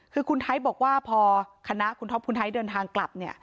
คือคุณไทยบอกว่าพอคณะคุณท็อปคุณไทยเดินทางกลับเนี่ย